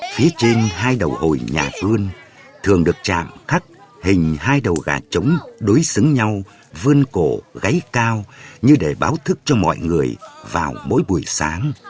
phía trên hai đầu hồi nhà vườn thường được chạm khắc hình hai đầu gà trống đối xứng nhau vươn cổ gáy cao như để báo thức cho mọi người vào mỗi buổi sáng